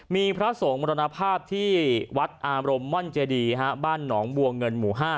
มีพระสงฆ์มรณภาพที่วัดอารมม่อนเจดีบ้านหนองบัวเงินหมู่๕